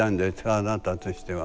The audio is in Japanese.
あなたとしては。